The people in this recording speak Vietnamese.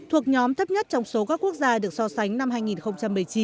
thuộc nhóm thấp nhất trong số các quốc gia được so sánh năm hai nghìn một mươi chín